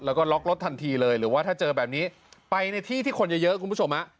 แล้วก็ล็อกรถทันทีเลยหรือว่าถ้าเจอแบบนี้ไปในที่ที่คนเยอะคุณผู้ชมฮะ